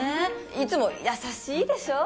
いつも優しいでしょ？